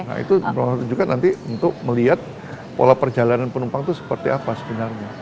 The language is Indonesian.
nah itu juga nanti untuk melihat pola perjalanan penumpang itu seperti apa sebenarnya